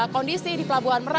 so pisak dua di antara